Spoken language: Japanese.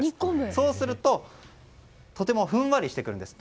そうすると、とてもふんわりしてくるんです。